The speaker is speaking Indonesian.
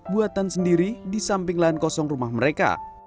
buatan sendiri di samping lahan kosong rumah mereka